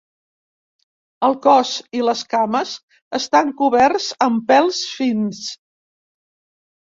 El cos i les cames estan coberts amb pèls fins.